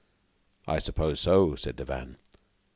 "I suppose so," said Devanne.